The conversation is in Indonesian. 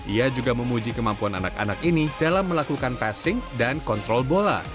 ia juga memuji kemampuan anak anak ini dalam melakukan passing dan kontrol bola